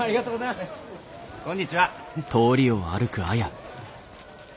こんにちは。